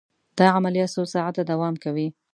دا عملیه څو ساعته دوام کوي.